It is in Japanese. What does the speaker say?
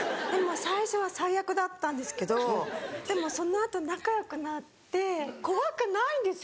最初は最悪だったんですけどでもその後仲良くなって怖くないんですよ